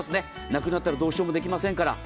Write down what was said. なくなったらどうしようもできませんから。